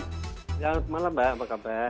selamat malam mbak apa kabar